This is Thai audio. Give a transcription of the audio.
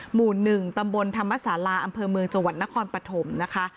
หมู่๑ตำบลธรรมศาลาอำเภอเมืองจังหวัดนครปฐมนะคะ